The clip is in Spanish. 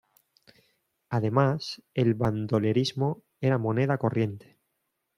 Además el bandolerismo era moneda corriente.